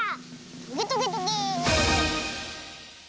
トゲトゲトゲ。